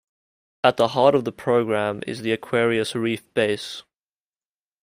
At the heart of the program is the Aquarius Reef Base.